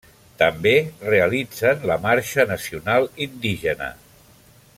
També realitzen la Marxa Nacional Indígena.